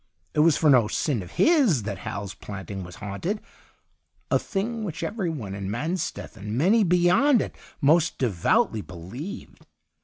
It was for no sin of his that Hal's Planting was haunted — a thing which every one in Mansteth, and many beyond it, most devoutly believed.